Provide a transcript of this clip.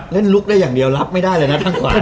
ลุคได้อย่างเดียวรับไม่ได้เลยนะข้างขวา